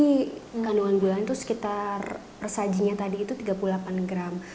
jadi kandungan gulanya itu sekitar persajinya tadi itu tiga puluh delapan gram